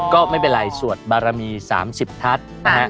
ก็ไม่เป็นไรสวดบารมี๓๐ทัศน์นะฮะ